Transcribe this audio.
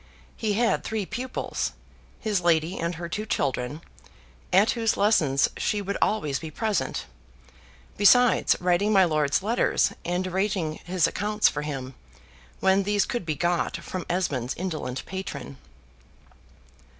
He had three pupils, his lady and her two children, at whose lessons she would always be present; besides writing my lord's letters, and arranging his accompts for him when these could be got from Esmond's indolent patron.